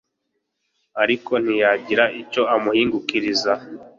ariko ntiyagira icyo amuhingukiriza